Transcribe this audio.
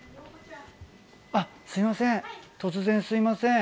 あっすいません